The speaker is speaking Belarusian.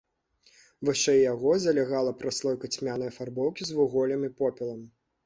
Вышэй яго залягала праслойка цьмянай афарбоўкі з вуголлем і попелам.